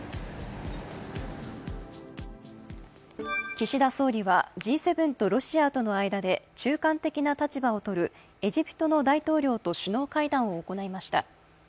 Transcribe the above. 岸田総理はＧ７とロシアとの間で中間的な立場をとるエジプトの大統領と首脳会談を行いました。